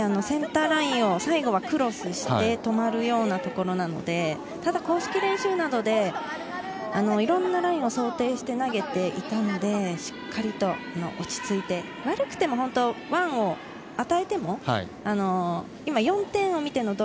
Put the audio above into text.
センターラインをクロスして止まるようなところなので、ただ、公式練習などで、いろんなラインを想定して投げていたので、しっかり落ち着いて悪くてもワンを与えても。